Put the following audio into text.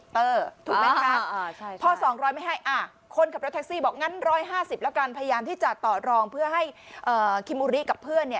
พยายามที่จะตอดรองเพื่อให้คิมอุริกับเพื่อน